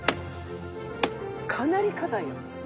かなり硬いよ。